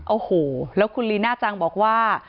โอ้โหแล้วคุณลีน่าจังบอกว่า